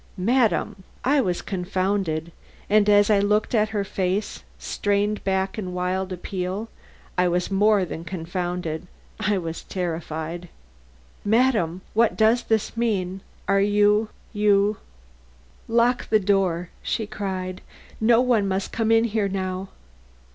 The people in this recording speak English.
"Madam!" I was confounded; and as I looked at her face, strained back in wild appeal, I was more than confounded, I was terrified. "Madam, what does this mean? Are you you " "Lock the door!" she cried; "no one must come in here now.